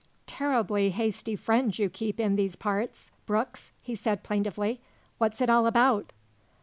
"Terribly hasty friends you keep in these parts, Brooks," he said plaintively. "What's it all about?"